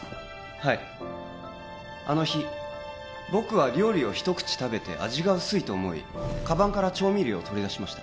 はいあの日僕は料理を一口食べて味が薄いと思いカバンから調味料を取り出しました